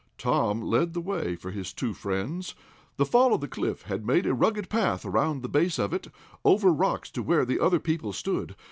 Tom led the way for his two friends. The fall of the cliff had made a rugged path around the base of it, over rocks, to where the other people stood.